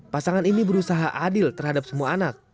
pasangan ini berusaha adil terhadap semua anak